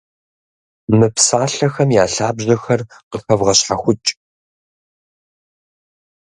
Мы псалъэхэм я лъабжьэхэр къыхэвгъэщхьэхукӏ.